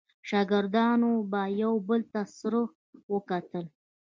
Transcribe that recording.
شاګردانو به یو بل ته سره وکتل.